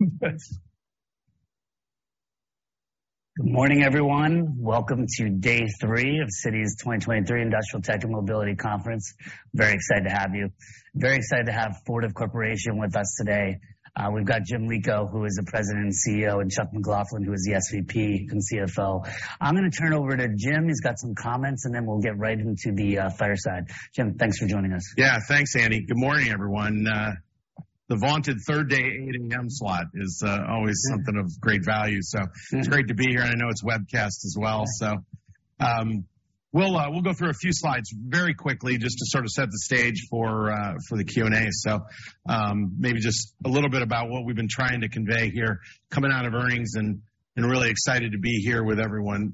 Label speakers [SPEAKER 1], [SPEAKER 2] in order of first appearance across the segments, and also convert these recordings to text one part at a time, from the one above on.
[SPEAKER 1] Good morning, everyone. Welcome to day three of Citi's 2023 Industrial Tech and Mobility Conference. Very excited to have you. Very excited to have Fortive Corporation with us today. We've got Jim Lico, who is the President and CEO, and Chuck McLaughlin, who is the SVP and CFO. I'm gonna turn it over to Jim. He's got some comments, and then we'll get right into the fireside. Jim, thanks for joining us.
[SPEAKER 2] Yeah, thanks, Andy. Good morning, everyone. The vaunted third day 8:00 A.M. slot is always something of great value. It's great to be here, and I know it's webcast as well. We'll go through a few slides very quickly just to sort of set the stage for the Q&A. Maybe just a little bit about what we've been trying to convey here coming out of earnings and really excited to be here with everyone.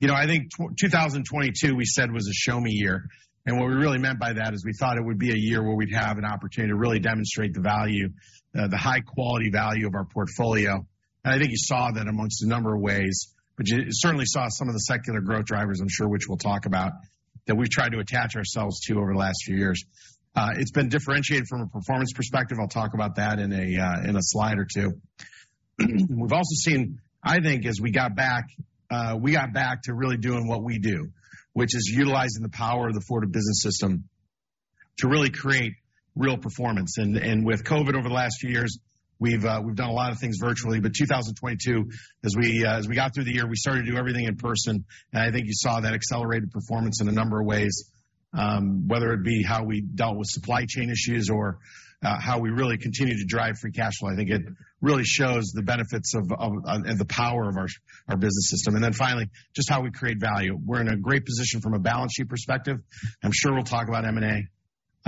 [SPEAKER 2] You know, I think 202022, we said was a show me year. What we really meant by that is we thought it would be a year where we'd have an opportunity to really demonstrate the value, the high quality value of our portfolio. I think you saw that amongst a number of ways, but you certainly saw some of the secular growth drivers, I'm sure, which we'll talk about, that we've tried to attach ourselves to over the last few years. It's been differentiated from a performance perspective. I'll talk about that in a slide or two. We've also seen, I think, as we got back, we got back to really doing what we do, which is utilizing the power of the Fortive Business System to really create real performance. With COVID over the last few years, we've done a lot of things virtually. 202022, as we got through the year, we started to do everything in person. I think you saw that accelerated performance in a number of ways, whether it be how we dealt with supply chain issues or how we really continued to drive free cash flow. I think it really shows the benefits of, and the power of our business system. Then finally, just how we create value. We're in a great position from a balance sheet perspective. I'm sure we'll talk about M&A,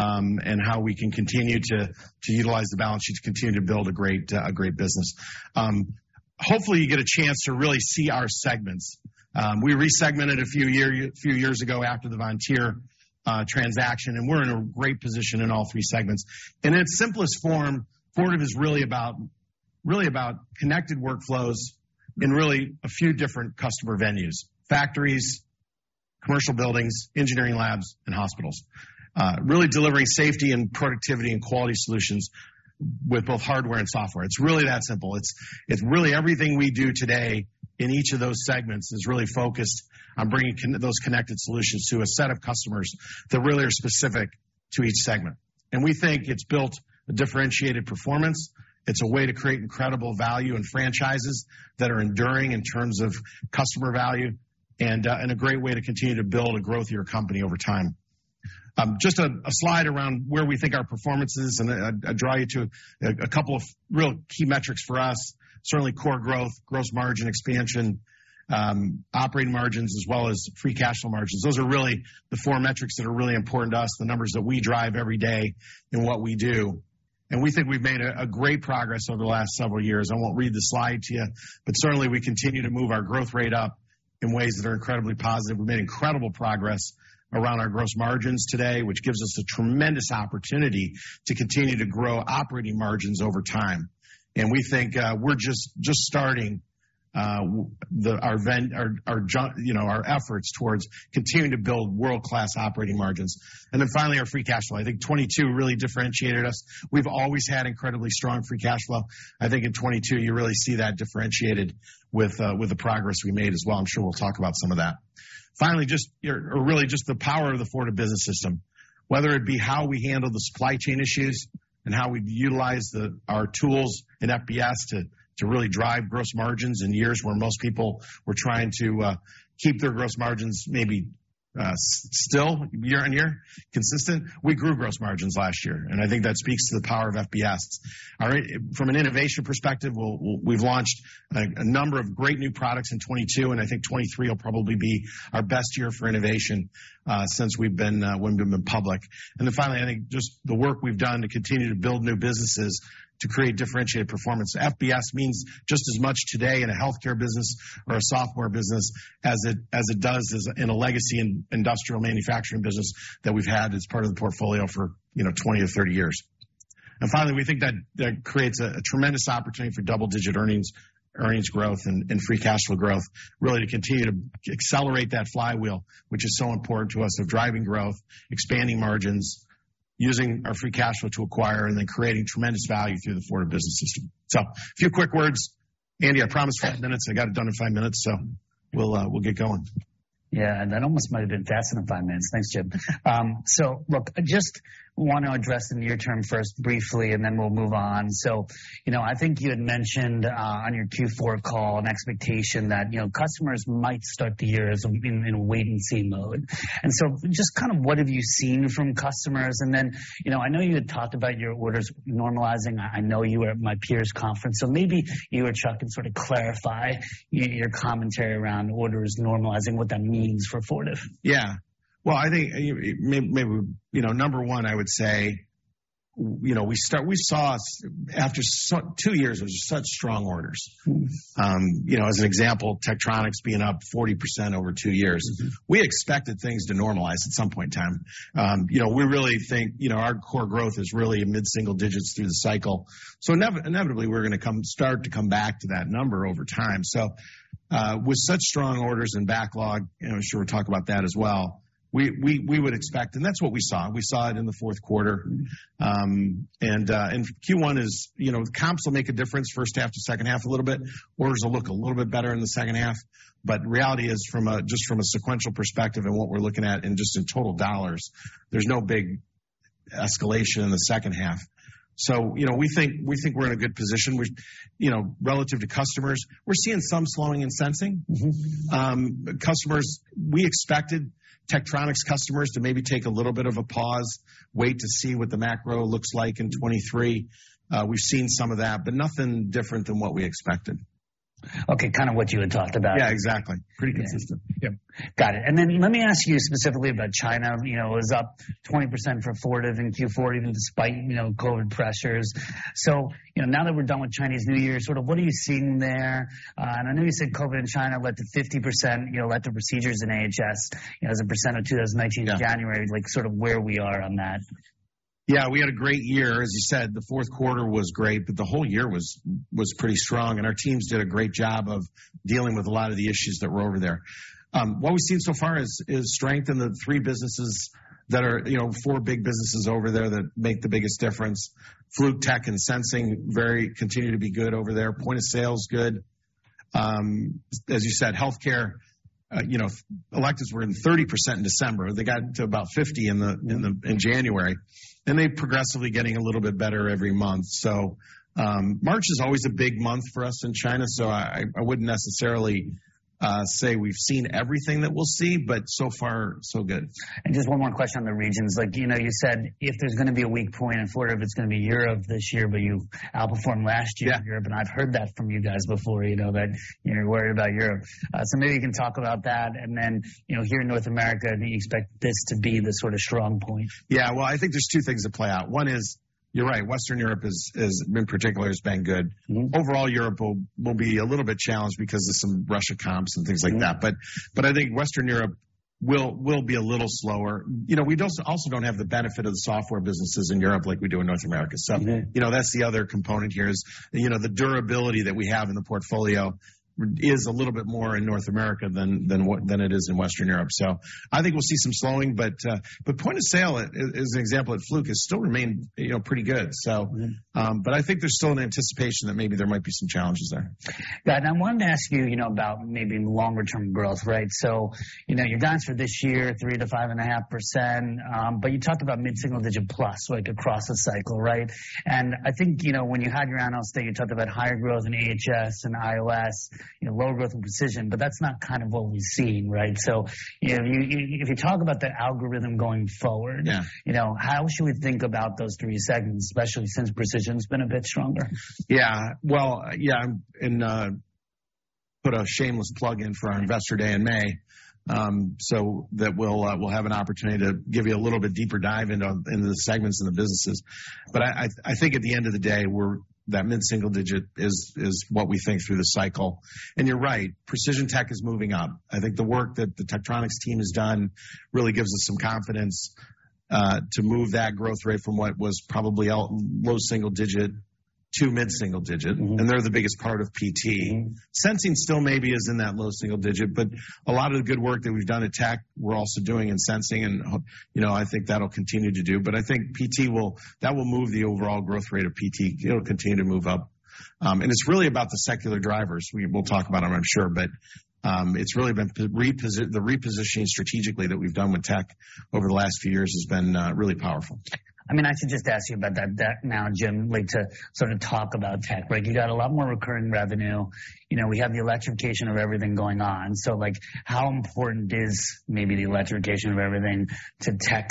[SPEAKER 2] and how we can continue to utilize the balance sheet to continue to build a great, a great business. Hopefully you get a chance to really see our segments. We resegmented a few years ago after the Vontier transaction, and we're in a great position in all three segments. In its simplest form, Fortive is really about connected workflows in really a few different customer venues, factories, commercial buildings, engineering labs, and hospitals. Really delivering safety and productivity and quality solutions with both hardware and software. It's really that simple. It's really everything we do today in each of those segments is really focused on bringing those connected solutions to a set of customers that really are specific to each segment. We think it's built a differentiated performance. It's a way to create incredible value in franchises that are enduring in terms of customer value and a great way to continue to build and grow your company over time. Just a slide around where we think our performance is, and I draw you to a couple of real key metrics for us. Certainly core growth, gross margin expansion, operating margins, as well as free cash flow margins. Those are really the four metrics that are really important to us, the numbers that we drive every day in what we do. We think we've made a great progress over the last several years. I won't read the slide to you, but certainly we continue to move our growth rate up in ways that are incredibly positive. We've made incredible progress around our gross margins today, which gives us a tremendous opportunity to continue to grow operating margins over time. We think we're just starting you know, our efforts towards continuing to build world-class operating margins. Finally, our free cash flow. I think 2022 really differentiated us. We've always had incredibly strong free cash flow. I think in 2022 you really see that differentiated with the progress we made as well. I'm sure we'll talk about some of that. Finally, just really just the power of the Fortive Business System, whether it be how we handle the supply chain issues and how we've utilized the, our tools in FBS to really drive gross margins in years where most people were trying to keep their gross margins maybe still year-over-year consistent. We grew gross margins last year, and I think that speaks to the power of FBS. All right, from an innovation perspective, we'll we've launched a number of great new products in 2022, and I think 2023 will probably be our best year for innovation since we've been public. Finally, I think just the work we've done to continue to build new businesses to create differentiated performance. FBS means just as much today in a healthcare business or a software business as it does in a legacy in industrial manufacturing business that we've had as part of the portfolio for, you know, 20 or 30 years. Finally, we think that creates a tremendous opportunity for double-digit earnings growth and free cash flow growth, really to continue to accelerate that flywheel, which is so important to us of driving growth, expanding margins, using our free cash flow to acquire, and then creating tremendous value through the Fortive Business System. A few quick words. Andy, I promised five minutes. I got it done in five minutes, we'll get going.
[SPEAKER 1] Yeah. I almost might have done that in five minutes. Thanks, Jim. Look, I just want to address the near term first briefly, and then we'll move on. You know, I think you had mentioned, on your Q4 call an expectation that, you know, customers might start the year in a wait and see mode. Just kind of what have you seen from customers? Then, you know, I know you had talked about your orders normalizing. I know you were at my peers conference, so maybe you or Chuck can sort of clarify your commentary around orders normalizing, what that means for Fortive.
[SPEAKER 2] Well, I think maybe, you know, number one, I would say, you know, we saw after two years of such strong orders. You know, as an example, Tektronix being up 40% over two years. We expected things to normalize at some point in time. You know, we really think, you know, our core growth is really mid-single digits through the cycle. Inevitably, we're gonna come, start to come back to that number over time. With such strong orders and backlog, and I'm sure we'll talk about that as well-We would expect. That's what we saw. We saw it in the fourth quarter.
[SPEAKER 1] Mm-hmm.
[SPEAKER 2] In Q1 is, you know, comps will make a difference first half to second half a little bit. Orders will look a little bit better in the second half. Reality is just from a sequential perspective and what we're looking at in just in total dollars, there's no big escalation in the second half. You know, we think we're in a good position. We, you know, relative to customers, we're seeing some slowing in Sensing.
[SPEAKER 1] Mm-hmm.
[SPEAKER 2] We expected Tektronix customers to maybe take a little bit of a pause, wait to see what the macro looks like in 2023. We've seen some of that, but nothing different than what we expected.
[SPEAKER 1] Okay. Kind of what you had talked about.
[SPEAKER 2] Yeah, exactly. Pretty consistent.
[SPEAKER 1] Yeah.
[SPEAKER 2] Yep.
[SPEAKER 1] Got it. Let me ask you specifically about China. You know, it was up 20% for Fortive in Q4, even despite, you know, COVID pressures. You know, now that we're done with Chinese New Year, sort of what are you seeing there? And I know you said COVID in China led to 50%, you know, elective procedures in AHS, you know, as a percentage to those 19th January.
[SPEAKER 2] Yeah.
[SPEAKER 1] Like sort of where we are on that.
[SPEAKER 2] Yeah, we had a great year. As you said, the fourth quarter was great. The whole year was pretty strong. Our teams did a great job of dealing with a lot of the issues that were over there. What we've seen so far is strength in the three businesses that are, you know, four big businesses over there that make the biggest difference. Fluke, Tek, and Sensing continue to be good over there. Point of Sale is good. As you said, healthcare, you know, electives were in 30% in December. They got to about 50 in January, and they progressively getting a little bit better every month. March is always a big month for us in China. I wouldn't necessarily say we've seen everything that we'll see, but so far so good. Just one more question on the regions. Like, you know, you said if there's gonna be a weak point in Fortive, it's gonna be Europe this year, but you outperformed last year in Europe. Yeah.
[SPEAKER 1] I've heard that from you guys before, you know, that you're worried about Europe. Maybe you can talk about that. You know, here in North America, do you expect this to be the sort of strong point?
[SPEAKER 2] Yeah. I think there's two things at play out. One is, you're right, Western Europe is in particular has been good.
[SPEAKER 1] Mm-hmm.
[SPEAKER 2] Overall, Europe will be a little bit challenged because of some Russia comps and things like that.
[SPEAKER 1] Mm-hmm.
[SPEAKER 2] I think Western Europe will be a little slower. You know, we also don't have the benefit of the software businesses in Europe like we do in North America.
[SPEAKER 1] Mm-hmm.
[SPEAKER 2] You know, that's the other component here is, you know, the durability that we have in the portfolio is a little bit more in North America than it is in Western Europe. I think we'll see some slowing, but point of sale as an example at Fluke has still remained, you know, pretty good.
[SPEAKER 1] Mm-hmm.
[SPEAKER 2] I think there's still an anticipation that maybe there might be some challenges there.
[SPEAKER 1] Got it. I wanted to ask you know, about maybe longer-term growth, right? You know, you've answered this year 3% to 5.5%, but you talked about mid-single digit plus like across the cycle, right? I think, you know, when you had your analyst day, you talked about higher growth in AHS and IOS, you know, low growth in Precision, but that's not kind of what we've seen, right? if you talk about the algorithm going forward.
[SPEAKER 2] Yeah.
[SPEAKER 1] You know, how should we think about those three segments, especially since Precision's been a bit stronger?
[SPEAKER 2] Yeah. Well, yeah, put a shameless plug in for our investor day in May, so that we'll have an opportunity to give you a little bit deeper dive into the segments of the businesses. I think at the end of the day, that mid-single digit is what we think through the cycle. You're right, Precision Tech is moving up. I think the work that the Tektronix team has done really gives us some confidence to move that growth rate from what was probably out low single digit to mid-single digit.
[SPEAKER 1] Mm-hmm.
[SPEAKER 2] They're the biggest part of PT.
[SPEAKER 1] Mm-hmm.
[SPEAKER 2] Sensing still maybe is in that low single-digit. A lot of the good work that we've done at Tek, we're also doing in Sensing. You know, I think that'll continue to do. I think PT will move the overall growth rate of PT. It'll continue to move up. It's really about the secular drivers. We'll talk about them, I'm sure, but it's really been the repositioning strategically that we've done with Tek over the last few years has been really powerful.
[SPEAKER 1] I mean, I should just ask you about that now, Jim, like to sort of talk about Tek, right? You got a lot more recurring revenue. You know, we have the electrification of everything going on. Like, how important is maybe the electrification of everything to Tek?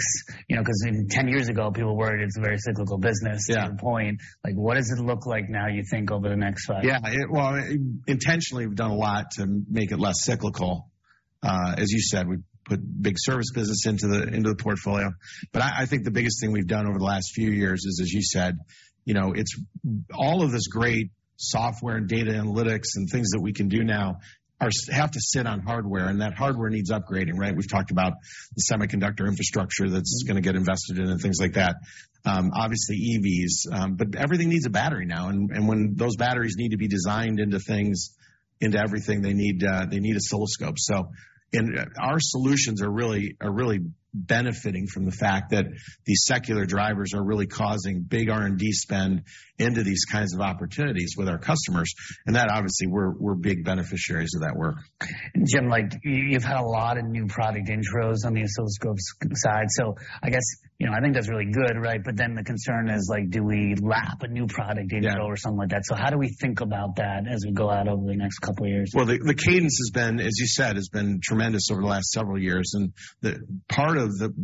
[SPEAKER 1] You know, 'cause even 10 years ago, people worried it's a very cyclical business.
[SPEAKER 2] Yeah.
[SPEAKER 1] Good point. Like, what does it look like now you think over the next 5 years?
[SPEAKER 2] Yeah. Well, intentionally, we've done a lot to make it less cyclical. As you said, we put big service business into the, into the portfolio. I think the biggest thing we've done over the last few years is, as you said, you know, it's all of this great software and data analytics and things that we can do now have to sit on hardware, and that hardware needs upgrading, right? We've talked about the semiconductor infrastructure that's gonna get invested in and things like that. Obviously EVs, but everything needs a battery now. When those batteries need to be designed into things, into everything they need, they need an oscilloscope. Our solutions are really benefiting from the fact that these secular drivers are really causing big R&D spend into these kinds of opportunities with our customers. That obviously we're big beneficiaries of that work.
[SPEAKER 1] Jim, like you've had a lot of new product intros on the oscilloscope side. I guess I think that's really good, right? The concern is like, do we lap a new product intro or something like that.
[SPEAKER 2] Yeah.
[SPEAKER 1] How do we think about that as we go out over the next couple of years?
[SPEAKER 2] Well, the cadence has been, as you said, tremendous over the last several years. The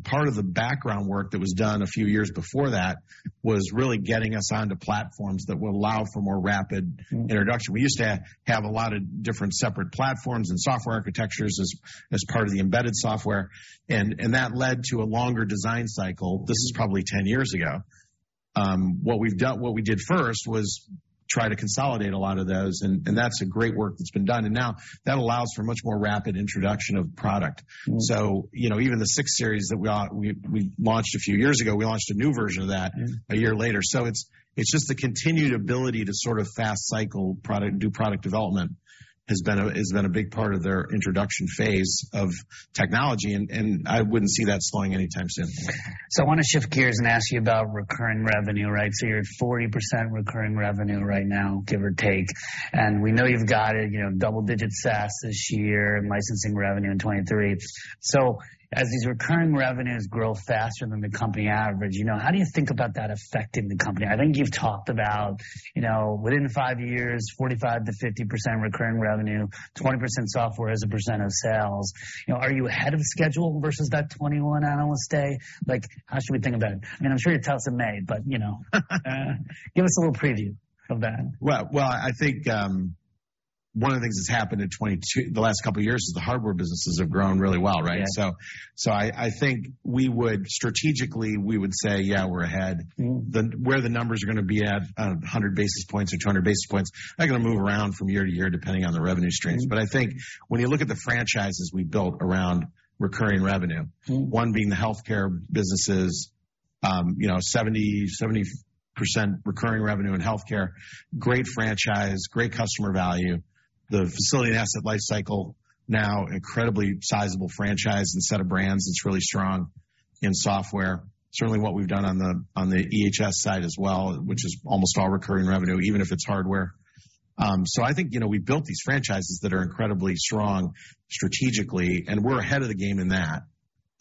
[SPEAKER 2] part of the background work that was done a few years before that was really getting us onto platforms that will allow for more rapid introduction. We used to have a lot of different separate platforms and software architectures as part of the embedded software, and that led to a longer design cycle. This is probably 10 years ago. What we did first was try to consolidate a lot of those, and that's a great work that's been done. Now that allows for much more rapid introduction of product.
[SPEAKER 1] Mm-hmm.
[SPEAKER 2] You know, even the 6 Series that we launched a few years ago, we launched a new version of that.
[SPEAKER 1] Mm-hmm.
[SPEAKER 2] a year later. It's just the continued ability to sort of fast cycle product, do product development has been a big part of their introduction phase of technology, and I wouldn't see that slowing anytime soon.
[SPEAKER 1] I wanna shift gears and ask you about recurring revenue, right? You're at 40% recurring revenue right now, give or take. We know you've got it, you know, double-digit SaaS this year, licensing revenue in 2023. As these recurring revenues grow faster than the company average, you know, how do you think about that affecting the company? I think you've talked about, you know, within five years, 45%-50% recurring revenue, 20% software as a percent of sales. You know, are you ahead of schedule versus that 2021 analyst day? Like, how should we think about it? I mean, I'm sure you'll tell us in May, but, you know. Give us a little preview of that.
[SPEAKER 2] Well, I think, one of the things that's happened the last couple years is the hardware businesses have grown really well, right?
[SPEAKER 1] Yeah.
[SPEAKER 2] I think strategically, we would say, yeah, we're ahead.
[SPEAKER 1] Mm-hmm.
[SPEAKER 2] Where the numbers are gonna be at, 100 basis points or 200 basis points, they're gonna move around from year to year, depending on the revenue streams.
[SPEAKER 1] Mm-hmm.
[SPEAKER 2] I think when you look at the franchises we've built around recurring revenue.
[SPEAKER 1] Mm-hmm.
[SPEAKER 2] one being the healthcare businesses, you know, 70% recurring revenue in healthcare, great franchise, great customer value. The facility and asset lifecycle now incredibly sizable franchise and set of brands that's really strong in software. Certainly what we've done on the EHS side as well, which is almost all recurring revenue, even if it's hardware. I think, you know, we built these franchises that are incredibly strong strategically, and we're ahead of the game in that.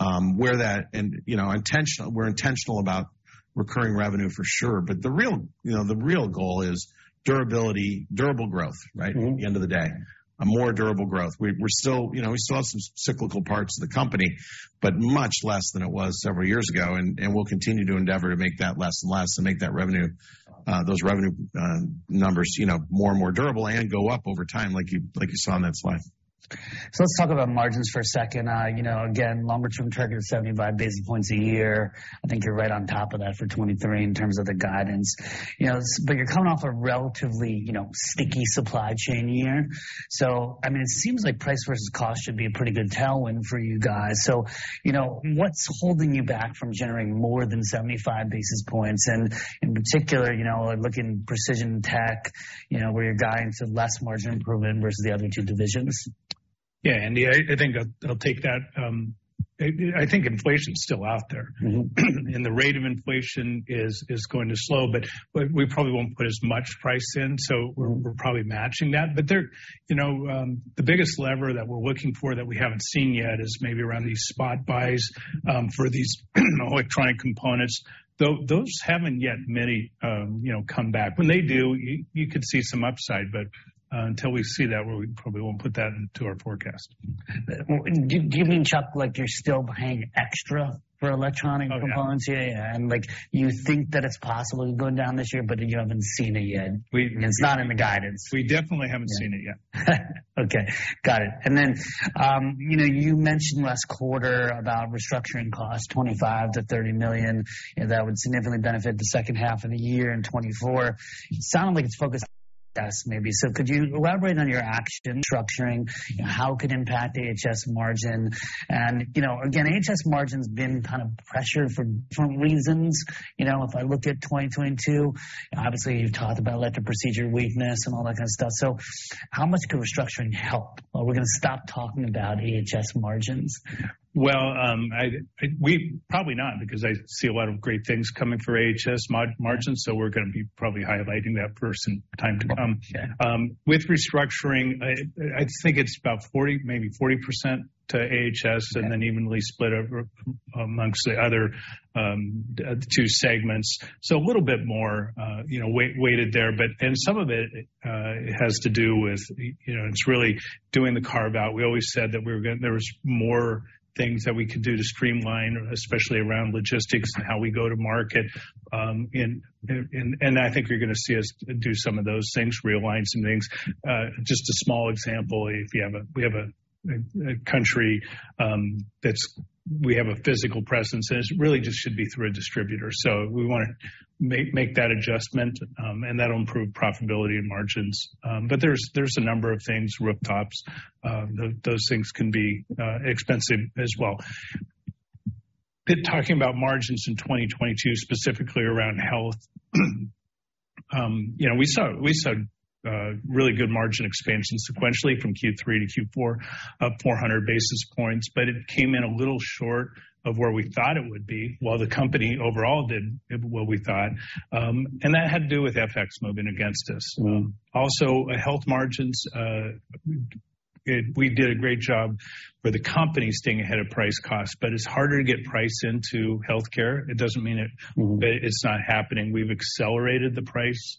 [SPEAKER 2] You know, we're intentional about recurring revenue for sure, but the real, you know, the real goal is durability, durable growth, right?
[SPEAKER 1] Mm-hmm.
[SPEAKER 2] At the end of the day, a more durable growth. We're still, you know, we still have some cyclical parts of the company, but much less than it was several years ago, and we'll continue to endeavor to make that less and less and make that revenue, those revenue numbers, you know, more and more durable and go up over time, like you, like you saw on that slide.
[SPEAKER 1] Let's talk about margins for a second. You know, again, longer-term target of 75 basis points a year. I think you're right on top of that for 202023 in terms of the guidance. You know, but you're coming off a relatively, you know, sticky supply chain year. I mean, it seems like price versus cost should be a pretty good tailwind for you guys. You know, what's holding you back from generating more than 75 basis points? In particular, you know, looking Precision Technologies, you know, where you're guiding to less margin improvement versus the other two divisions.
[SPEAKER 3] Yeah, Andy, I think I'll take that. I think inflation's still out there.
[SPEAKER 1] Mm-hmm.
[SPEAKER 3] The rate of inflation is going to slow, but we probably won't put as much price in, so we're probably matching that. There, you know, the biggest lever that we're looking for that we haven't seen yet is maybe around these spot buys for these electronic components. Those haven't yet many, you know, come back. When they do, you could see some upside, but until we see that, we probably won't put that into our forecast.
[SPEAKER 1] Do you mean, Chuck, like, you're still paying extra for electronic components?
[SPEAKER 3] Oh, yeah.
[SPEAKER 1] Yeah, yeah. like, you think that it's possibly going down this year, but you haven't seen it yet?
[SPEAKER 3] We-
[SPEAKER 1] It's not in the guidance.
[SPEAKER 3] We definitely haven't seen it yet.
[SPEAKER 1] Okay, got it. You know, you mentioned last quarter about restructuring costs, $25 million-$30 million, you know, that would significantly benefit the second half of the year in 2024. It sounded like it's focused on SaaS maybe. Could you elaborate on your action structuring, how it could impact AHS margin? You know, again, AHS margin's been kind of pressured for different reasons. You know, if I look at 2022, obviously you've talked about electric procedure weakness and all that kind of stuff. How much could restructuring help? Are we gonna stop talking about AHS margins?
[SPEAKER 3] Probably not, because I see a lot of great things coming for AHS margins, so we're gonna be probably highlighting that for some time to come.
[SPEAKER 1] Yeah.
[SPEAKER 3] With restructuring, I think it's about 40, maybe 40% to AHS-
[SPEAKER 1] Yeah.
[SPEAKER 3] Evenly split over amongst the other two segments. A little bit more, you know, weighted there. Some of it has to do with, you know, it's really doing the carve-out. We always said that there was more things that we could do to streamline, especially around logistics and how we go to market. I think you're gonna see us do some of those things, realign some things. Just a small example, if we have a country, we have a physical presence, and it really just should be through a distributor. We wanna make that adjustment, and that'll improve profitability and margins. There's a number of things, rooftops, those things can be expensive as well. Talking about margins in 2022, specifically around health, you know, we saw really good margin expansion sequentially from Q3 to Q4, up 400 basis points. It came in a little short of where we thought it would be, while the company overall did what we thought. That had to do with FX moving against us.
[SPEAKER 1] Mm-hmm.
[SPEAKER 3] health margins, we did a great job for the company staying ahead of price cost, but it's harder to get price into healthcare. It doesn't mean.
[SPEAKER 1] Mm-hmm.
[SPEAKER 3] it's not happening. We've accelerated the price,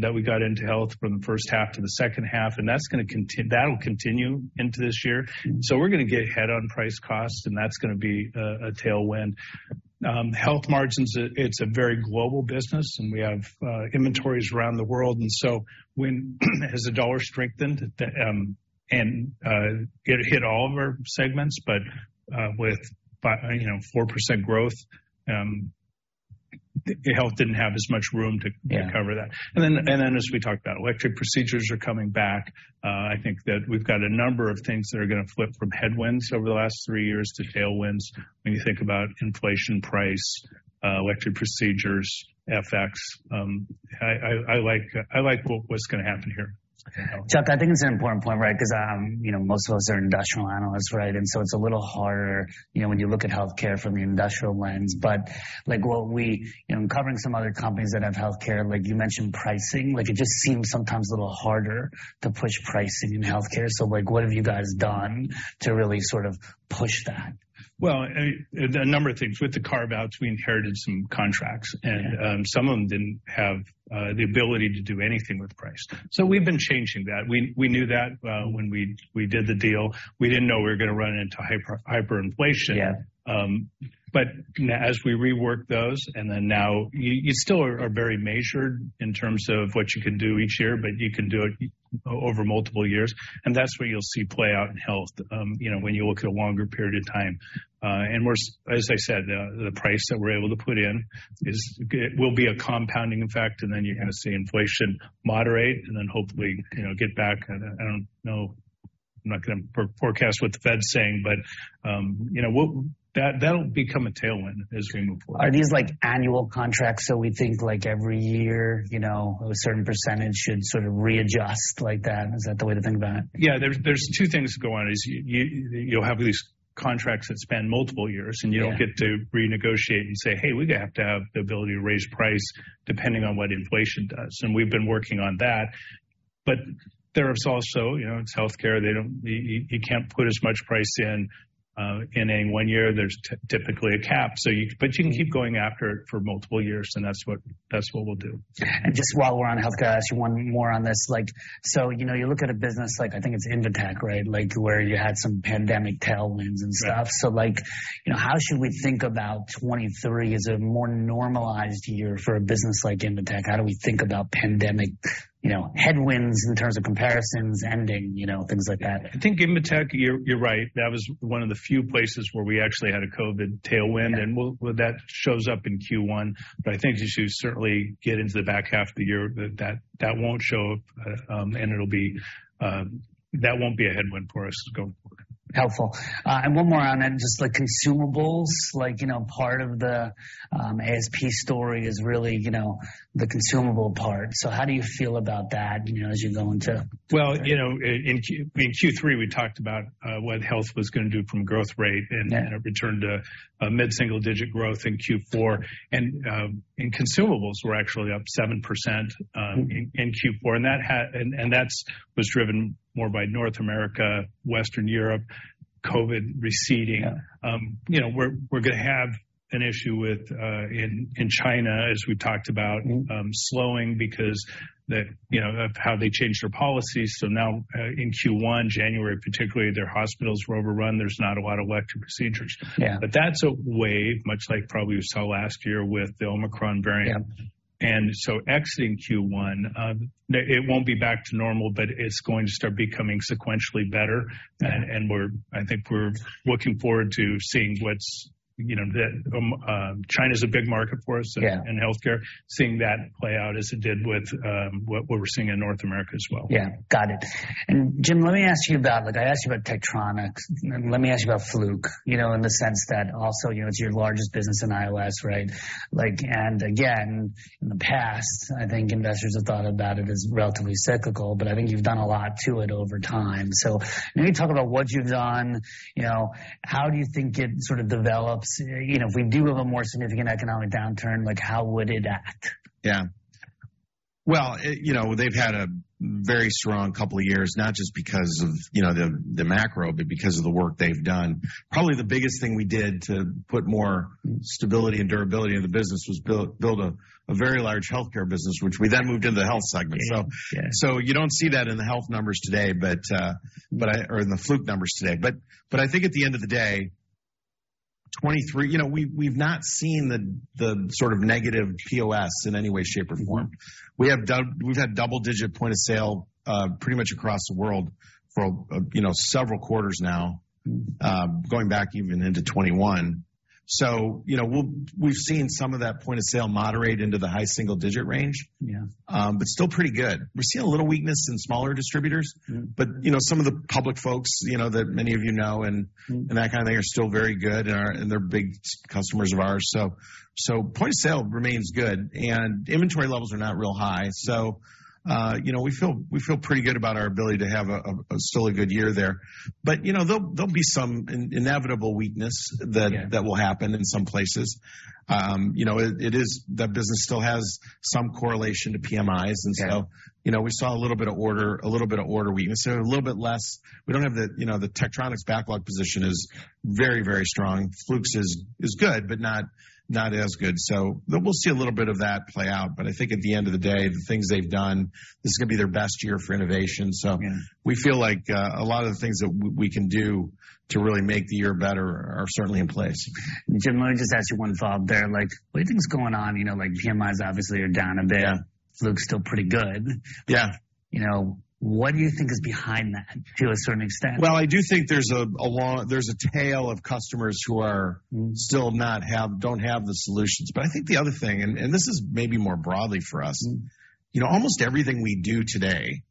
[SPEAKER 3] that we got into health from the first half to the second half. That'll continue into this year.
[SPEAKER 1] Mm-hmm.
[SPEAKER 3] We're gonna get ahead on price cost, and that's gonna be a tailwind. Health margins, it's a very global business, and we have inventories around the world. When as the dollar strengthened, and it hit all of our segments, but with you know, 4% growth, Health didn't have as much room to-
[SPEAKER 1] Yeah.
[SPEAKER 3] to cover that. Then, as we talked about, elective procedures are coming back. I think that we've got a number of things that are gonna flip from headwinds over the last three years to tailwinds when you think about inflation price, elective procedures, FX. I like what's gonna happen here.
[SPEAKER 1] Chuck, I think it's an important point, right? Because, you know, most of us are industrial analysts, right? It's a little harder, you know, when you look at healthcare from the industrial lens. Like, you know, I'm covering some other companies that have healthcare. Like, you mentioned pricing. Like it just seems sometimes a little harder to push pricing in healthcare. Like what have you guys done to really sort of push that?
[SPEAKER 3] Well, a number of things. With the carve-outs, we inherited some contracts.
[SPEAKER 1] Yeah.
[SPEAKER 3] Some of them didn't have the ability to do anything with price. We've been changing that. We knew that when we did the deal. We didn't know we were gonna run into hyperinflation.
[SPEAKER 1] Yeah.
[SPEAKER 3] As we rework those and then now you still are very measured in terms of what you can do each year, but you can do it over multiple years, and that's where you'll see play out in health when you look at a longer period of time. As I said, the price that we're able to put in will be a compounding effect. You're gonna see inflation moderate and then hopefully, you know, get back. I don't know, I'm not gonna forecast what the Fed's saying. You know, that'll become a tailwind as we move forward.
[SPEAKER 1] Are these like annual contracts, so we think like every year, you know, a certain percentage should sort of readjust like that? Is that the way to think about it?
[SPEAKER 3] Yeah. There's two things going on is you'll have these contracts that span multiple years-
[SPEAKER 1] Yeah.
[SPEAKER 3] You don't get to renegotiate and say, "Hey, we have to have the ability to raise price depending on what inflation does." We've been working on that. There's also, you know, it's healthcare. They don't, you can't put as much price in a one year. There's typically a cap. You can keep going after it for multiple years, and that's what we'll do.
[SPEAKER 1] Just while we're on healthcare, I just want more on this. Like, so, you know, you look at a business like I think it's Invetech, right? Like where you had some pandemic tailwinds and stuff.
[SPEAKER 3] Yeah.
[SPEAKER 1] Like, you know, how should we think about 2023 as a more normalized year for a business like Invetech? How do we think about pandemic, you know, headwinds in terms of comparisons ending, you know, things like that?
[SPEAKER 3] I think Invetech, you're right. That was one of the few places where we actually had a Covid tailwind.
[SPEAKER 1] Yeah.
[SPEAKER 3] With that shows up in Q1. I think as you certainly get into the back half of the year, that won't show up, and it'll be that won't be a headwind for us going forward.
[SPEAKER 1] Helpful. One more on that. Just like consumables, like part of the ASP story is really, you know, the consumable part. How do you feel about that, you know, as you go into...
[SPEAKER 3] Well, you know, in Q3 we talked about, what health was gonna do from growth rate.
[SPEAKER 1] Yeah.
[SPEAKER 3] A return to mid-single digit growth in Q4. Consumables were actually up 7% in Q4. That was driven more by North America, Western Europe, Covid receding.
[SPEAKER 1] Yeah.
[SPEAKER 3] You know, we're gonna have an issue with in China as we talked about.
[SPEAKER 1] Mm-hmm.
[SPEAKER 3] slowing because you know, of how they changed their policies. In Q1, January particularly, their hospitals were overrun. There's not a lot of elective procedures.
[SPEAKER 1] Yeah.
[SPEAKER 3] That's a wave, much like probably we saw last year with the Omicron variant.
[SPEAKER 1] Yeah.
[SPEAKER 3] Exiting Q1, it won't be back to normal, but it's going to start becoming sequentially better.
[SPEAKER 1] Yeah.
[SPEAKER 3] I think we're looking forward to seeing what's, you know, the, China's a big market for us.
[SPEAKER 1] Yeah.
[SPEAKER 3] In healthcare, seeing that play out as it did with, what we're seeing in North America as well.
[SPEAKER 1] Yeah, got it. Jim, let me ask you about, like you asked you about Tektronix. Let me ask you about Fluke, you know, in the sense that also, you know, it's your largest business in IOS, right? Again, in the past, I think investors have thought about it as relatively cyclical, but I think you've done a lot to it over time. Let me talk about what you've done. You know, how do you think it sort of develops? You know, if we do have a more significant economic downturn, like how would it act?
[SPEAKER 2] Yeah. Well, it, you know, they've had a very strong couple of years, not just because of, you know, the macro, but because of the work they've done. Probably the biggest thing we did to put more stability and durability in the business was build a very large healthcare business, which we then moved into the health segment.
[SPEAKER 1] Yeah. Yeah.
[SPEAKER 2] You don't see that in the health numbers today. In the Fluke numbers today. I think at the end of the day, 2023. You know, we've not seen the sort of negative POS in any way, shape, or form.
[SPEAKER 1] Mm-hmm.
[SPEAKER 2] We've had double-digit point of sale pretty much across the world for, you know, several quarters now, going back even into 21. You know, we've seen some of that point of sale moderate into the high single-digit range.
[SPEAKER 1] Yeah.
[SPEAKER 2] Still pretty good. We're seeing a little weakness in smaller distributors.
[SPEAKER 1] Mm-hmm.
[SPEAKER 2] You know, some of the public folks that many of you know.
[SPEAKER 1] Mm-hmm.
[SPEAKER 2] That kind of thing are still very good and they're big customers of ours. Point of sale remains good, and inventory levels are not real high. You know, we feel pretty good about our ability to have a still a good year there. You know, there'll be some inevitable weakness that-
[SPEAKER 1] Yeah.
[SPEAKER 2] that will happen in some places. you know, The business still has some correlation to PMIs.
[SPEAKER 1] Yeah.
[SPEAKER 2] You know, we saw a little bit of order weakness there, a little bit less. We don't have the Tektronix backlog position is very, very strong. Fluke's is good, but not as good. We'll see a little bit of that play out. I think at the end of the day, the things they've done, this is gonna be their best year for innovation.
[SPEAKER 1] Yeah.
[SPEAKER 2] We feel like, a lot of the things that we can do to really make the year better are certainly in place.
[SPEAKER 1] Jim, let me just ask you one follow-up there. Like, what do you think is going on? You know, like PMIs obviously are down a bit. Looks still pretty good.
[SPEAKER 2] Yeah.
[SPEAKER 1] You know, what do you think is behind that to a certain extent?
[SPEAKER 2] Well, there's a tail of customers.
[SPEAKER 1] Mm-hmm.
[SPEAKER 2] don't have the solutions. I think the other thing, and this is maybe more broadly for us.
[SPEAKER 1] Mm-hmm.
[SPEAKER 2] you know, almost everything we do today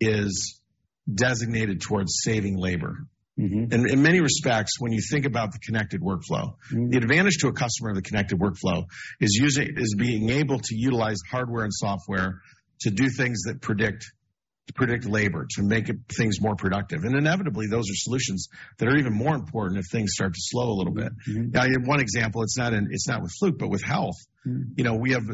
[SPEAKER 2] is designated towards saving labor.
[SPEAKER 1] Mm-hmm.
[SPEAKER 2] In many respects, when you think about the connected workflow-.
[SPEAKER 1] Mm-hmm.
[SPEAKER 2] The advantage to a customer of the connected workflow is being able to utilize hardware and software to do things that predict, to predict labor, to make things more productive. Inevitably, those are solutions that are even more important if things start to slow a little bit.
[SPEAKER 1] Mm-hmm.
[SPEAKER 2] I have one example. It's not in, it's not with Fluke, but with health.
[SPEAKER 1] Mm-hmm.
[SPEAKER 2] You know, we have,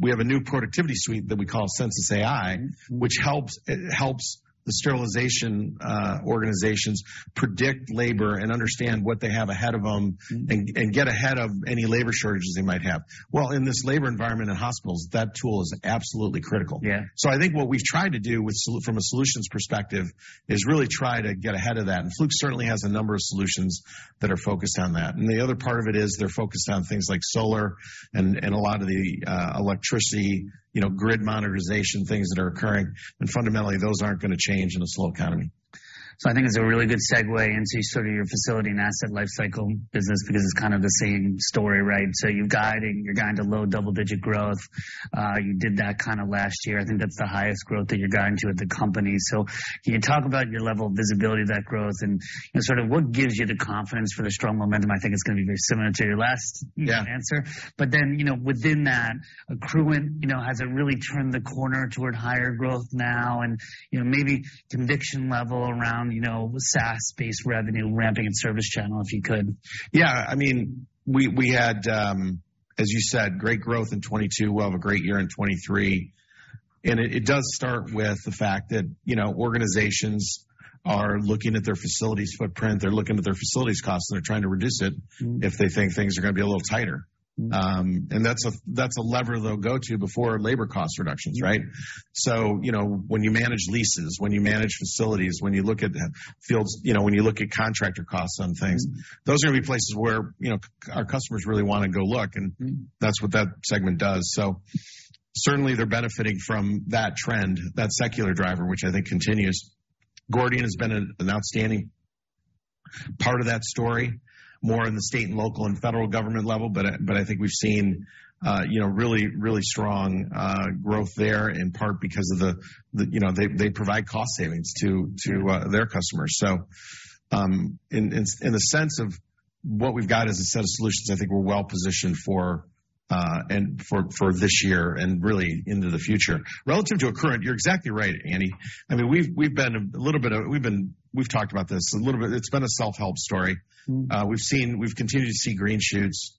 [SPEAKER 2] we have a new productivity suite that we call Censis AI-
[SPEAKER 1] Mm-hmm.
[SPEAKER 2] which helps the sterilization organizations predict labor and understand what they have ahead of them.
[SPEAKER 1] Mm-hmm.
[SPEAKER 2] Get ahead of any labor shortages they might have. Well, in this labor environment in hospitals, that tool is absolutely critical.
[SPEAKER 1] Yeah.
[SPEAKER 2] I think what we've tried to do from a solutions perspective is really try to get ahead of that. Fluke certainly has a number of solutions that are focused on that. The other part of it is they're focused on things like solar and a lot of the electricity, you know, grid monitoring things that are occurring, and fundamentally, those aren't gonna change in a slow economy.
[SPEAKER 1] I think it's a really good segue into sort of your facility and asset lifecycle business because it's kind of the same story, right? You're guiding to low double-digit growth. You did that kinda last year. I think that's the highest growth that you're guiding to with the company. Can you talk about your level of visibility of that growth and sort of what gives you the confidence for the strong momentum? I think it's gonna be very similar to your last.
[SPEAKER 2] Yeah.
[SPEAKER 1] -answer. you know, within that, Accruent, you know, has it really turned the corner toward higher growth now? you know, maybe conviction level around, you know, the SaaS-based revenue ramping and service channel, if you could?
[SPEAKER 2] Yeah. I mean, we had, as you said, great growth in 2022. We'll have a great year in 2023. It, it does start with the fact that, you know, organizations are looking at their facilities footprint, they're looking at their facilities costs, and they're trying to reduce it...
[SPEAKER 1] Mm-hmm.
[SPEAKER 2] if they think things are gonna be a little tighter. That's a, that's a lever they'll go to before labor cost reductions, right?
[SPEAKER 1] Yeah.
[SPEAKER 2] you know, when you manage leases, when you manage facilities, when you look at fields, you know, when you look at contractor costs on things.
[SPEAKER 1] Mm-hmm.
[SPEAKER 2] those are gonna be places where, you know, our customers really wanna go look, and that's what that segment does. Certainly, they're benefiting from that trend, that secular driver, which I think continues. Gordian has been an outstanding part of that story, more in the state and local and federal government level, but I think we've seen, you know, really strong growth there, in part because of the, you know, they provide cost savings to their customers. In the sense of what we've got as a set of solutions, I think we're well positioned for and for this year and really into the future. Relative to Accruent, you're exactly right, Andy. I mean, we've talked about this a little bit. It's been a self-help story.
[SPEAKER 1] Mm-hmm.
[SPEAKER 2] We've continued to see green shoots,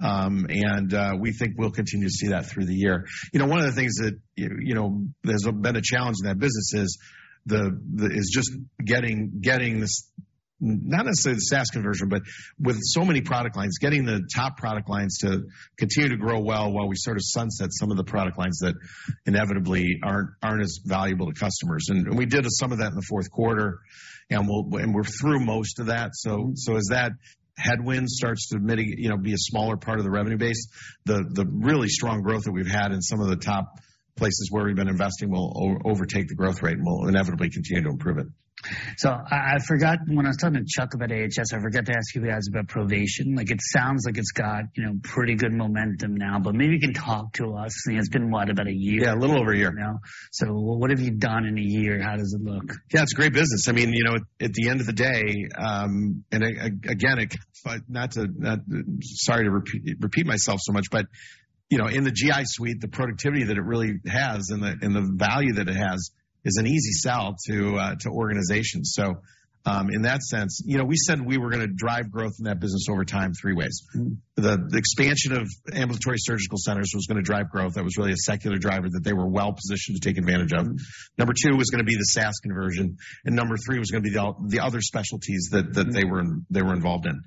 [SPEAKER 2] we think we'll continue to see that through the year. You know, one of the things that, you know, there's been a challenge in that business is just getting this, not necessarily the SaaS conversion, but with so many product lines, getting the top product lines to continue to grow well while we sort of sunset some of the product lines that inevitably aren't as valuable to customers. We did some of that in the fourth quarter, and we're through most of that. As that headwind starts to mitigate, you know, be a smaller part of the revenue base, the really strong growth that we've had in some of the top places where we've been investing will overtake the growth rate and will inevitably continue to improve it.
[SPEAKER 1] I forgot when I was talking to Chuck about AHS, I forgot to ask you guys about Provation. Like, it sounds like it's got, you know, pretty good momentum now, but maybe you can talk to us. I think it's been, what? About a year.
[SPEAKER 2] Yeah, a little over a year.
[SPEAKER 1] What have you done in a year? How does it look?
[SPEAKER 2] Yeah, it's a great business. I mean, you know, at the end of the day, again, like, sorry to repeat myself so much, you know, in the GI suite, the productivity that it really has and the value that it has is an easy sell to organizations. In that sense, you know, we said we were gonna drive growth in that business over time three ways.
[SPEAKER 1] Mm-hmm.
[SPEAKER 2] The expansion of ambulatory surgical centers was gonna drive growth. That was really a secular driver that they were well-positioned to take advantage of.
[SPEAKER 1] Mm-hmm.
[SPEAKER 2] Number two was gonna be the SaaS conversion, and number three was gonna be the other specialties that...
[SPEAKER 1] Mm-hmm.
[SPEAKER 2] that they were involved in.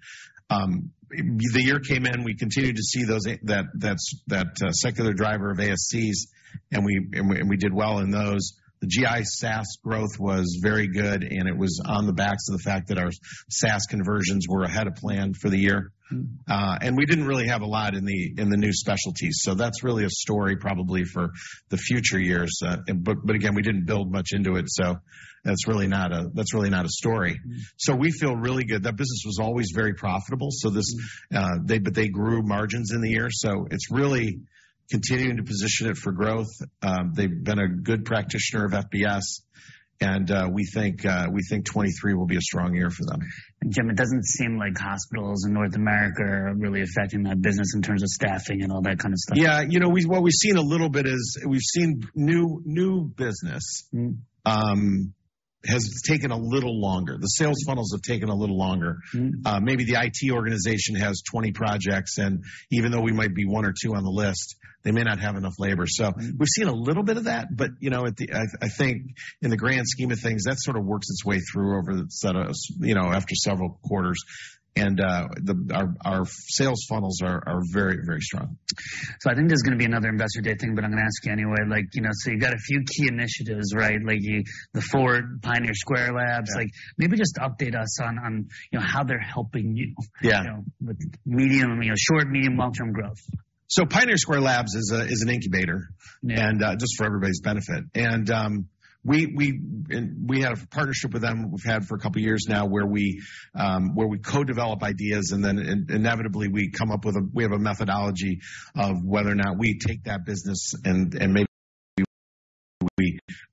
[SPEAKER 2] The year came in, we continued to see those that secular driver of ASCs, and we did well in those. The GI SaaS growth was very good, and it was on the backs of the fact that our SaaS conversions were ahead of plan for the year.
[SPEAKER 1] Mm-hmm.
[SPEAKER 2] We didn't really have a lot in the, in the new specialties, so that's really a story probably for the future years. Again, we didn't build much into it, so that's really not a story.
[SPEAKER 1] Mm-hmm.
[SPEAKER 2] We feel really good. That business was always very profitable.
[SPEAKER 1] Mm-hmm.
[SPEAKER 2] This, they but they grew margins in the year, so it's really continuing to position it for growth. They've been a good practitioner of FBS, and, we think 2023 will be a strong year for them.
[SPEAKER 1] Jim, it doesn't seem like hospitals in North America are really affecting that business in terms of staffing and all that kind of stuff.
[SPEAKER 2] Yeah. You know, what we've seen a little bit is we've seen new business.
[SPEAKER 1] Mm-hmm.
[SPEAKER 2] has taken a little longer. The sales funnels have taken a little longer.
[SPEAKER 1] Mm-hmm.
[SPEAKER 2] Maybe the IT organization has 20 projects, and even though we might be one or two on the list, they may not have enough labor.
[SPEAKER 1] Mm-hmm.
[SPEAKER 2] We've seen a little bit of that but, you know, I think in the grand scheme of things, that sort of works its way through over you know, after several quarters. Our sales funnels are very strong.
[SPEAKER 1] I think there's gonna be another Investor Day thing, but I'm gonna ask you anyway. You know, you've got a few key initiatives, right? The Fortive Pioneer Square Labs.
[SPEAKER 2] Yeah.
[SPEAKER 1] Like, maybe just update us on, you know, how they're helping?
[SPEAKER 2] Yeah.
[SPEAKER 1] you know, with medium, you know, short, medium, long-term growth.
[SPEAKER 2] Pioneer Square Labs is an incubator.
[SPEAKER 1] Yeah.
[SPEAKER 2] Just for everybody's benefit. We have a partnership with them we've had for a couple of years now where we co-develop ideas, and then inevitably we come up with a. We have a methodology of whether or not we take that business and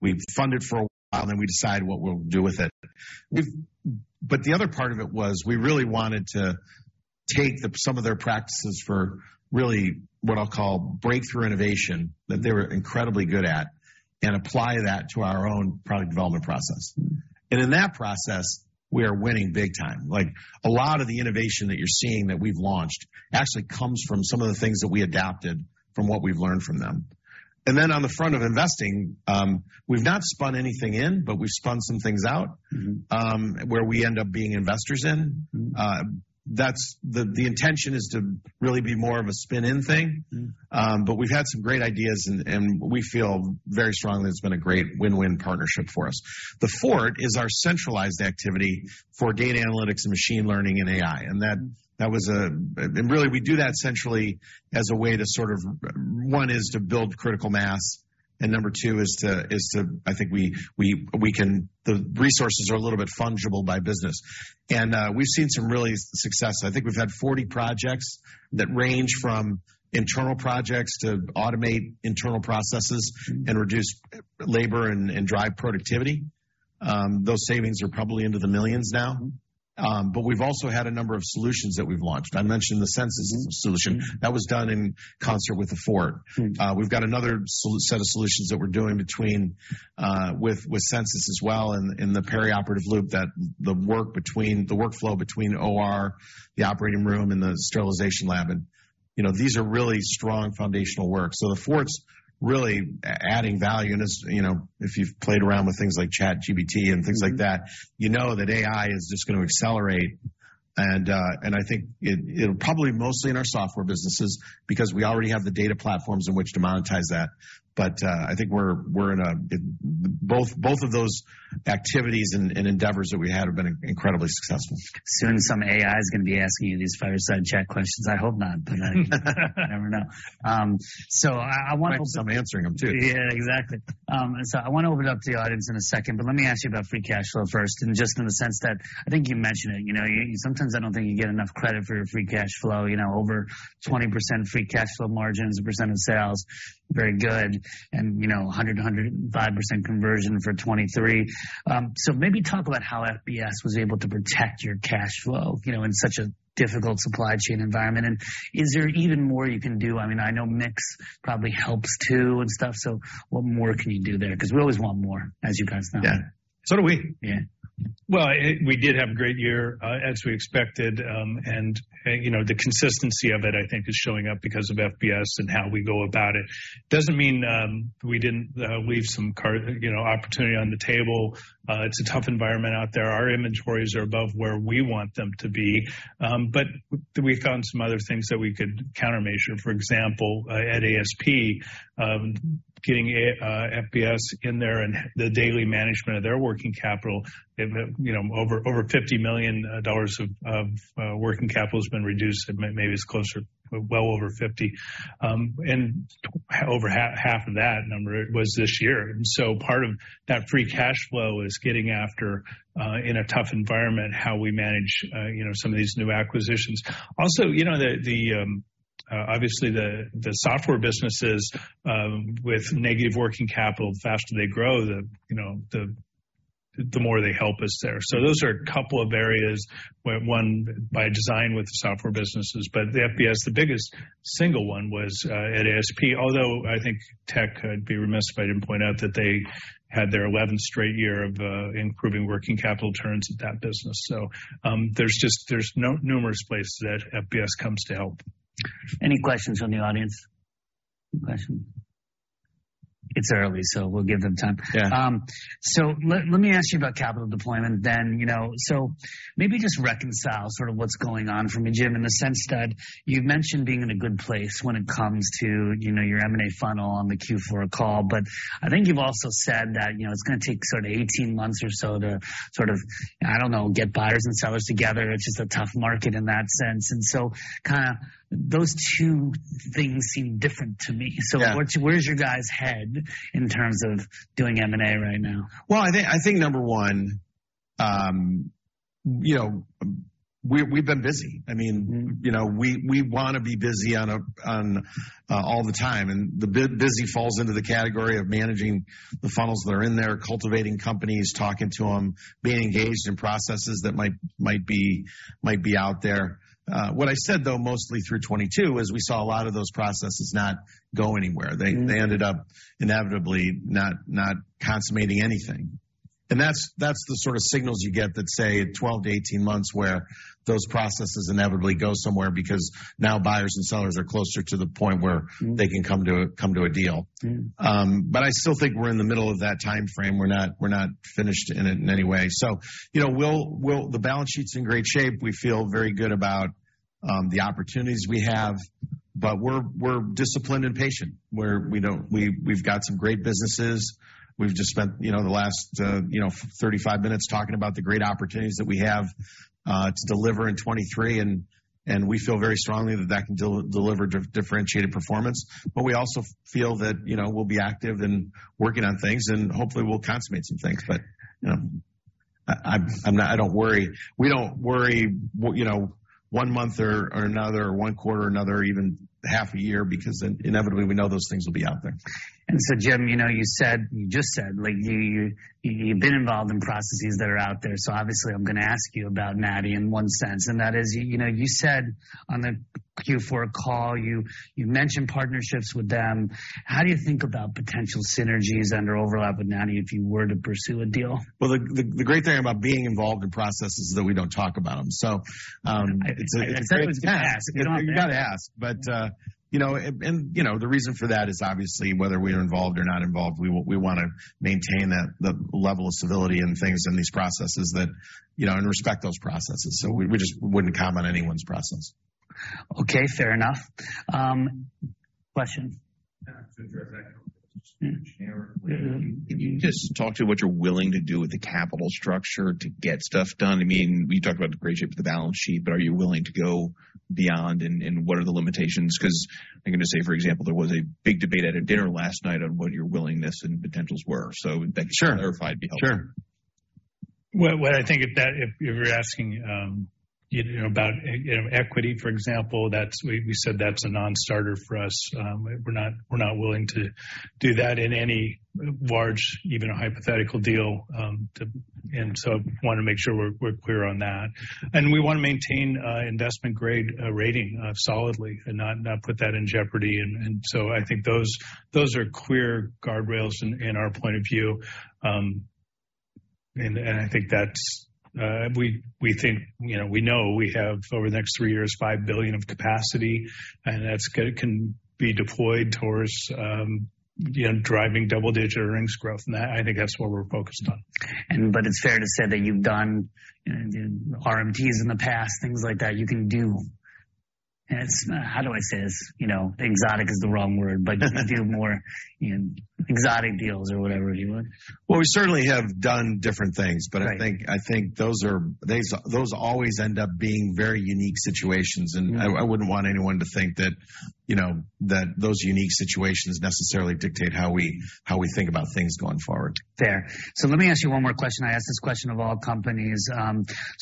[SPEAKER 2] we fund it for a while, then we decide what we'll do with it. The other part of it was we really wanted to take the, some of their practices for really what I'll call breakthrough innovation that they were incredibly good at and apply that to our own product development process. In that process, we are winning big time. Like, a lot of the innovation that you're seeing that we've launched actually comes from some of the things that we adapted from what we've learned from them. On the front of investing, we've not spun anything in, but we've spun some things out.
[SPEAKER 1] Mm-hmm.
[SPEAKER 2] Where we end up being investors in.
[SPEAKER 1] Mm-hmm.
[SPEAKER 2] That's the intention is to really be more of a spin-in thing.
[SPEAKER 1] Mm-hmm.
[SPEAKER 2] We've had some great ideas and we feel very strongly it's been a great win-win partnership for us. The Fort is our centralized activity for data analytics and machine learning and AI. Really we do that centrally as a way to sort of, one is to build critical mass, and number two is to, I think we can. The resources are a little bit fungible by business. We've seen some really success. I think we've had 40 projects that range from internal projects to automate internal processes and reduce labor and drive productivity. Those savings are probably into the millions now.
[SPEAKER 1] Mm-hmm.
[SPEAKER 2] We've also had a number of solutions that we've launched. I mentioned the Censis solution.
[SPEAKER 1] Mm-hmm.
[SPEAKER 2] That was done in concert with The Fort.
[SPEAKER 1] Mm-hmm.
[SPEAKER 2] we've got another set of solutions that we're doing between, with Censis as well in the perioperative loop that the workflow between OR, the operating room, and the sterilization lab. you know, these are really strong foundational work. The Fort's really adding value and is, you know, if you've played around with things like ChatGPT and things like that...
[SPEAKER 1] Mm-hmm.
[SPEAKER 2] you know that AI is just gonna accelerate and I think it'll probably mostly in our software businesses because we already have the data platforms in which to monetize that. I think we're in a, both of those activities and endeavors that we had have been incredibly successful.
[SPEAKER 1] Soon some AI is gonna be asking you these fireside chat questions. I hope not, but you never know. I.
[SPEAKER 2] Hope I'm answering them too.
[SPEAKER 1] Yeah, exactly. I wanna open it up to the audience in a second, but let me ask you about free cash flow first. Just in the sense that I think you mentioned it, you know, you sometimes I don't think you get enough credit for your free cash flow, you know, over 20% free cash flow margins, percent of sales, very good. You know, 100-105% conversion for 2023. Maybe talk about how FBS was able to protect your cash flow, you know, in such a difficult supply chain environment. Is there even more you can do? I mean, I know mix probably helps too and stuff. What more can you do there? 'Cause we always want more, as you guys know.
[SPEAKER 2] Yeah. So do we.
[SPEAKER 1] Yeah.
[SPEAKER 3] Well, we did have a great year, as we expected. You know, the consistency of it, I think, is showing up because of FBS and how we go about it. Doesn't mean we didn't leave some, you know, opportunity on the table. It's a tough environment out there. Our inventories are above where we want them to be. We found some other things that we could countermeasure. For example, at ASP, getting FBS in there and the daily management of their working capital. It, you know, over $50 million of working capital has been reduced, and maybe it's closer to well over 50. Over half of that number was this year. Part of that free cash flow is getting after in a tough environment how we manage, you know, some of these new acquisitions. Also, you know, the obviously the software businesses with negative working capital, the faster they grow, the, you know, the more they help us there. Those are a couple of areas where one by design with the software businesses. The FBS, the biggest single one was at ASP. Although I think Tek, I'd be remiss if I didn't point out that they had their eleventh straight year of improving working capital turns at that business. There's numerous places that FBS comes to help.
[SPEAKER 1] Any questions from the audience? Any question? It's early, so we'll give them time.
[SPEAKER 2] Yeah.
[SPEAKER 1] Let me ask you about capital deployment then. You know, maybe just reconcile sort of what's going on for me, Jim, in the sense that you've mentioned being in a good place when it comes to, you know, your M&A funnel on the Q4 call. I think you've also said that, you know, it's gonna take sort of 18 months or so to sort of, I don't know, get buyers and sellers together. It's just a tough market in that sense. Kinda those two things seem different to me.
[SPEAKER 2] Yeah.
[SPEAKER 1] Where's your guys head in terms of doing M&A right now?
[SPEAKER 2] Well, I think number one, you know, we've been busy. I mean, you know, we wanna be busy on all the time. The busy falls into the category of managing the funnels that are in there, cultivating companies, talking to them, being engaged in processes that might be out there. What I said though, mostly through 2022, is we saw a lot of those processes not go anywhere.
[SPEAKER 1] Mm-hmm.
[SPEAKER 2] They ended up inevitably not consummating anything. That's the sort of signals you get that say 12 to 18 months, where those processes inevitably go somewhere because now buyers and sellers are closer to the point where.
[SPEAKER 1] Mm-hmm.
[SPEAKER 2] They can come to a deal.
[SPEAKER 1] Mm-hmm.
[SPEAKER 2] I still think we're in the middle of that timeframe. We're not, we're not finished in it in any way. You know, we'll. The balance sheet's in great shape. We feel very good about the opportunities we have, but we're disciplined and patient. We don't. We've got some great businesses. We've just spent, you know, the last, you know, 35 minutes talking about the great opportunities that we have to deliver in 2023 and we feel very strongly that that can deliver differentiated performance. We also feel that, you know, we'll be active in working on things, and hopefully, we'll consummate some things. You know, I don't worry. We don't worry one month or another, or one quarter or another, or even half a year because inevitably we know those things will be out there.
[SPEAKER 1] Jim, you know, you just said, like, you've been involved in processes that are out there, so obviously I'm gonna ask you about Natty in one sense, and that is, you know, you said on the Q4 call, you mentioned partnerships with them. How do you think about potential synergies and/or overlap with NATI if you were to pursue a deal?
[SPEAKER 2] Well, the great thing about being involved in processes is that we don't talk about them.
[SPEAKER 1] I said I was gonna ask.
[SPEAKER 2] You gotta ask. You know, and, you know, the reason for that is obviously whether we're involved or not involved, we wanna maintain the level of civility and things in these processes that, you know, and respect those processes. We just wouldn't comment on anyone's process.
[SPEAKER 1] Okay, fair enough. Question?
[SPEAKER 4] To address that, can you just talk to what you're willing to do with the capital structure to get stuff done? I mean, we talked about the great shape of the balance sheet. Are you willing to go beyond and what are the limitations? I'm gonna say, for example, there was a big debate at a dinner last night on what your willingness and potentials were. If that could be clarified, it'd be helpful.
[SPEAKER 2] Sure. Sure.
[SPEAKER 3] Well, what I think if that, if you're asking, you know, about e-equity, for example, that's, we said that's a non-starter for us. We're not willing to do that in any large, even a hypothetical deal. We wanna make sure we're clear on that. We wanna maintain a investment-grade rating solidly and not put that in jeopardy. I think those are clear guardrails in our point of view. I think that's, we think, you know, we know we have over the next three years, $5 billion of capacity, and that can be deployed towards, you know, driving double-digit earnings growth. That, I think that's what we're focused on.
[SPEAKER 1] It's fair to say that you've done RMTs in the past, things like that, you can do. It's, how do I say this? You know, exotic is the wrong word, but you can do more, you know, exotic deals or whatever you want.
[SPEAKER 2] Well, we certainly have done different things.
[SPEAKER 1] Right.
[SPEAKER 2] I think those are those always end up being very unique situations.
[SPEAKER 1] Mm-hmm.
[SPEAKER 2] I wouldn't want anyone to think that, you know, that those unique situations necessarily dictate how we, how we think about things going forward.
[SPEAKER 1] Fair. Let me ask you one more question. I ask this question of all companies.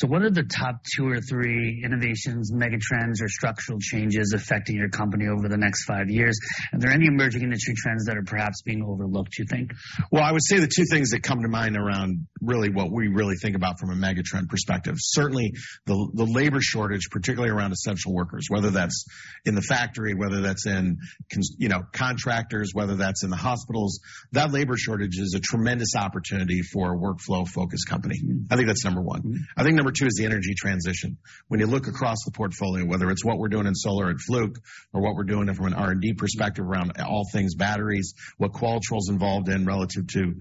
[SPEAKER 1] What are the top two or three innovations, mega trends, or structural changes affecting your company over the next five years? Are there any emerging industry trends that are perhaps being overlooked, you think?
[SPEAKER 2] Well, I would say the two things that come to mind around really what we really think about from a mega trend perspective, certainly the labor shortage, particularly around essential workers, whether that's in the factory, whether that's in contractors, whether that's in the hospitals, that labor shortage is a tremendous opportunity for a workflow-focused company.
[SPEAKER 1] Mm-hmm.
[SPEAKER 2] I think that's number one.
[SPEAKER 1] Mm-hmm.
[SPEAKER 2] I think number two is the energy transition. When you look across the portfolio, whether it's what we're doing in solar at Fluke or what we're doing from an R&D perspective around all things batteries, what Qualitrol's involved in relative to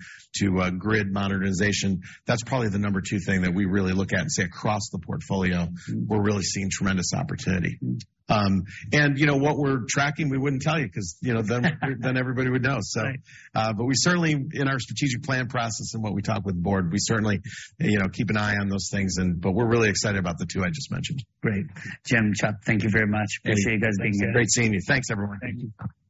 [SPEAKER 2] grid modernization, that's probably the number two thing that we really look at and say across the portfolio.
[SPEAKER 1] Mm-hmm.
[SPEAKER 2] We're really seeing tremendous opportunity.
[SPEAKER 1] Mm-hmm.
[SPEAKER 2] you know what we're tracking, we wouldn't tell you 'cause then everybody would know, so.
[SPEAKER 1] Right.
[SPEAKER 2] We certainly in our strategic plan process and what we talk with the board, we certainly keep an eye on those things. We're really excited about the two I just mentioned.
[SPEAKER 1] Great. Jim, Chuck, thank you very much.
[SPEAKER 2] Yeah.
[SPEAKER 1] Appreciate you guys being here.
[SPEAKER 2] Great seeing you. Thanks, everyone.
[SPEAKER 1] Thank you.